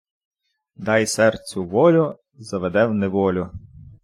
Дай серцю волю — заведе в неволю.